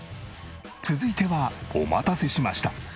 続いてはお待たせしました！